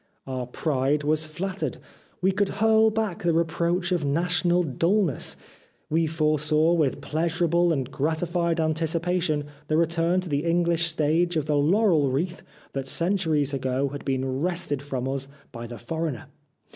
Our pride was flattered ; we could hurl back the re 332 The Life of Oscar Wilde proach of national dulness ; we foresaw with pleasurable and gratified anticipation the return to the English stage of the laurel wreath that centuries ago had been wrested from us by the foreigner.